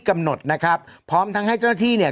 กำหนดนะครับพร้อมทั้งให้เจ้าหน้าที่เนี่ย